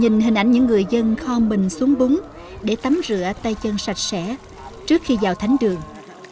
nhìn hình ảnh những người dân kho mình xuống bún để tắm rửa tay chân sạch sẽ trước khi vào thánh đường